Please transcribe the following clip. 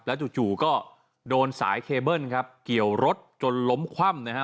จู่ก็โดนสายเคเบิ้ลครับเกี่ยวรถจนล้มคว่ำนะฮะ